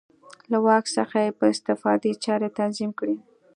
له واک څخه یې په استفادې چارې تنظیم کړې.